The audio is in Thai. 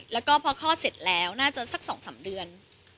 แล้วก็พอคลอดเสร็จแล้วน่าจะสัก๒๓เดือน